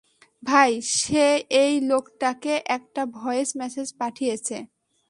ভাই, সে এই লোকটাকে একটা ভয়েস মেসেজ পাঠিয়েছে।